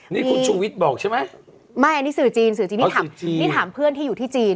นี่คุณชูวิทย์บอกใช่ไหมไม่อันนี้สื่อจีนสื่อจีนนี่ถามเพื่อนที่อยู่ที่จีน